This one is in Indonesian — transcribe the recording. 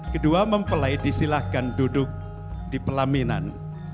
kedua mempelai disilahkan duduk di pelaminan